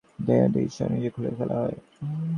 তবে র্যাবের অভিযানের আগেই ছাদ থেকে ডিশ সংযোগ খুলে ফেলা হয়।